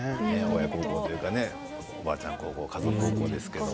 親孝行というかおばあちゃん孝行、家族孝行です。